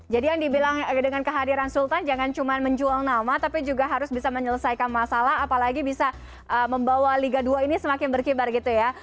jadi yang dibilang dengan kehadiran sultan jangan cuma menjuang nama tapi juga harus bisa menyelesaikan masalah apalagi bisa membawa liga dua ini semakin berkibar gitu ya